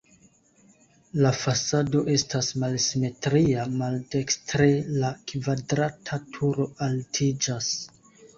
La fasado estas malsimetria, maldekstre la kvadrata turo altiĝas.